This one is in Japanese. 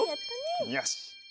よし。